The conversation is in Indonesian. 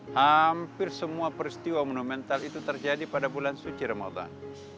hampir semua peristiwa monumental itu terjadi pada bulan suci ramadan